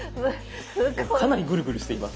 かなりグルグルしています。